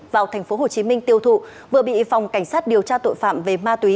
vào thành phố hồ chí minh tiêu thụ vừa bị phòng cảnh sát điều tra tội phạm về ma túy